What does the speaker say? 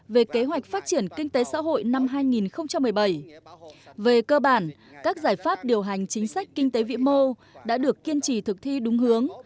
về kế hoạch phát triển kinh tế xã hội năm hai nghìn một mươi bảy về cơ bản các giải pháp điều hành chính sách kinh tế vĩ mô đã được kiên trì thực thi đúng hướng